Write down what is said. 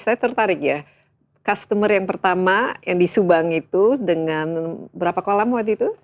saya tertarik ya customer yang pertama yang di subang itu dengan berapa kolam waktu itu